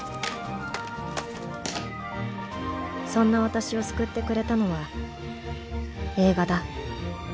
そんな私を救ってくれたのは映画だ。